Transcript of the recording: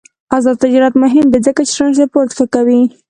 آزاد تجارت مهم دی ځکه چې ترانسپورت ښه کوي.